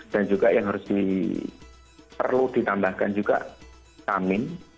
dan juga yang harus diperlu ditambahkan juga kamin